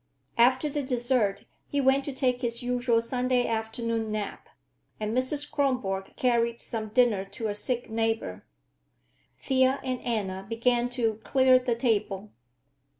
After the dessert he went to take his usual Sunday afternoon nap, and Mrs. Kronborg carried some dinner to a sick neighbor. Thea and Anna began to clear the table.